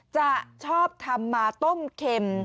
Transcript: จะชอบทำมาต้มเข็ม